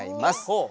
ほう！